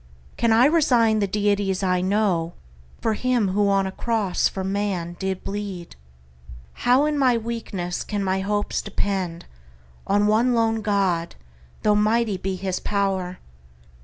Can I resign the deities I know For him who on a cross for man did bleed? How in my weakness can my hopes depend On one lone God, though mighty be his pow'r?